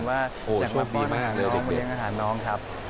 ว่าอยากมาป้อนอาหารน้องมาเลี้ยงอาหารน้องครับ